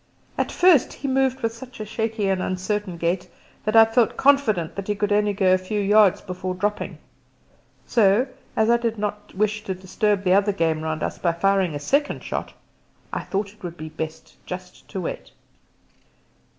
At first he moved with such a shaky and uncertain gait that I felt confident that he could only go a few yards before dropping; so, as I did not wish to disturb the other game around us by firing a second shot, I thought it best just to wait.